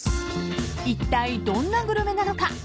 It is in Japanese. ［いったいどんなグルメなのか］